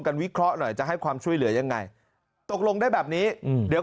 วิเคราะห์หน่อยจะให้ความช่วยเหลือยังไงตกลงได้แบบนี้อืมเดี๋ยว